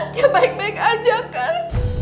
dia baik baik aja kan